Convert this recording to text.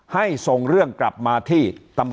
ให้ส่งเรื่องกลับมาที่